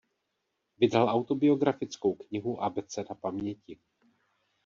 Vydal autobiografickou knihu "Abeceda paměti".